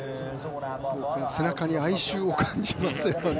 背中に哀愁を感じますね。